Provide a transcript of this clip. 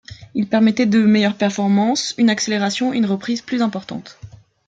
Il permettait de meilleures performances, une accélération et une reprise plus importantes.